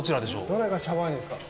どれがシャバーニですか？